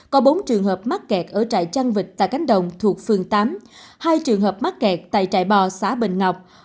có bốn trường hợp mắc kẹt ở trại chăn vịt tại cánh đồng thuộc phường tám hai trường hợp mắc kẹt tại trại bò xã bình ngọc